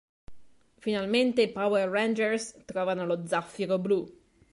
Finalmente, i Power Rangers trovano lo Zaffiro Blu.